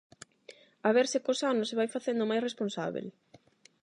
A ver se cos anos se vai facendo máis responsábel.